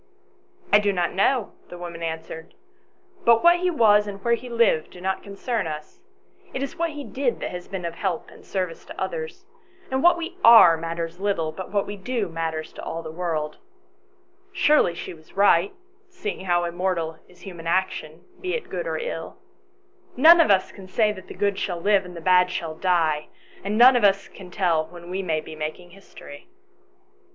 " I do not know," the woman answered, " but what he was and where he lived do not concern us ; it is what he did that has been of help and service to others ; and what we are matters little, but what we do matters to all the world." Surely she was right, seeing how immortal is human action, be it good or ill ? None of us can say that the good shall live and the bad shall die, and none of us can tell when we may be making history. XIL] IN THE PORCH. 139 III.